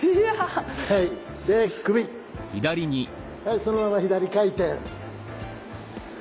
そのまま左回転。